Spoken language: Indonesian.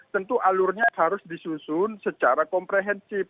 tentu alurnya harus disusun secara komprehensif